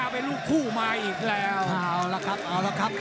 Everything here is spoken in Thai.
เร็วที่จะดูเข้ามงครับ